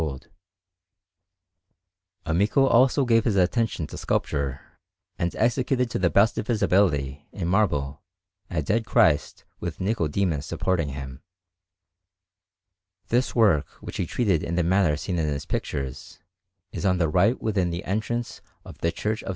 Bologna: Pinacoteca, 297_) Alinari] Amico also gave his attention to sculpture, and executed to the best of his ability, in marble, a Dead Christ with Nicodemus supporting Him. This work, which he treated in the manner seen in his pictures, is on the right within the entrance of the Church of S.